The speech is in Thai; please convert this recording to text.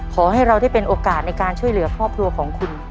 ขอให้เราได้เป็นโอกาสในการช่วยเหลือครอบครัวของคุณ